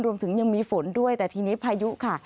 รวมถึงยังมีฝนด้วยแต่ทีนี้พายุค่ะ